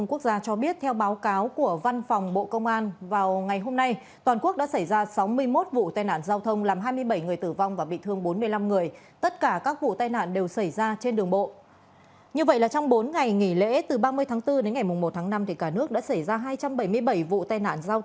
ngày một tháng năm cả nước đã xảy ra hai trăm bảy mươi bảy vụ tai nạn giao thông làm chết một trăm linh chín người